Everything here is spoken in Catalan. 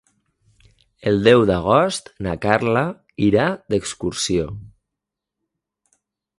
El deu d'agost na Carla irà d'excursió.